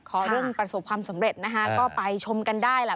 ขอเรื่องประสบความสำเร็จนะคะก็ไปชมกันได้ล่ะ